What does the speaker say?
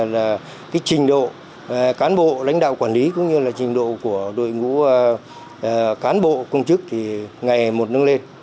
là cái trình độ cán bộ lãnh đạo quản lý cũng như là trình độ của đội ngũ cán bộ công chức thì ngày một nâng lên